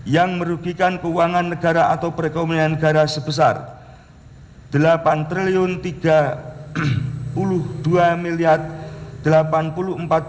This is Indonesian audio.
yang merugikan keuangan negara atau perekonomian negara sebesar rp delapan tiga puluh dua delapan puluh empat satu ratus tiga puluh tiga tujuh ratus sembilan puluh lima lima puluh